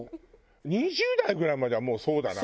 ２０代ぐらいまではもうそうだな。